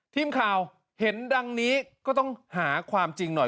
ทีมข่าวเห็นดังนี้ก็ต้องหาความจริงหน่อย